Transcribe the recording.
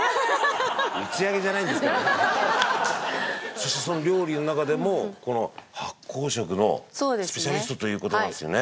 そしてその料理の中でも発酵食のスペシャリストという事なんですよね。